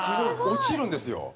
落ちるんですよ。